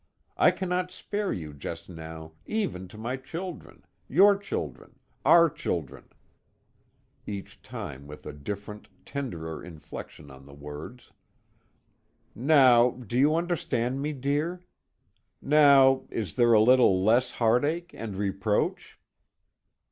I cannot spare you just now even to my children your children, our children," each time with a different, tenderer inflection on the words. "Now, do you understand me, dear? Now, is there a little less heart ache and reproach?"